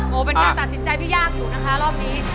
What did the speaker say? โอ้โหเป็นการตัดสินใจที่ยากอยู่นะคะรอบนี้